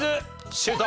シュート！